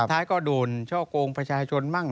ท้ายก็โดนช่วงโกงประชาชนบ้าง